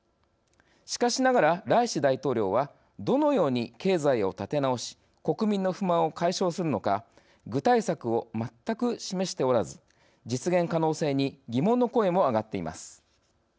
しかしながら、ライシ大統領はどのように経済を立て直し国民の不満を解消するのか具体策を全く示しておらず実現可能性に疑問の声もあがっています。